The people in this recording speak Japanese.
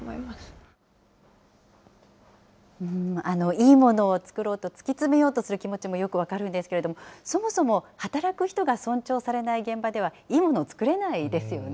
いいものを作ろうと突き詰めようとする気持ちも分かるんですけれども、そもそも働く人が尊重されない現場では、いいものを作れないですよね。